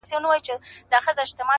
پر ها بل یې له اسمانه ټکه لوېږي-